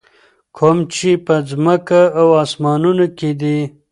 کوم چې په ځکمه او اسمانونو کي دي.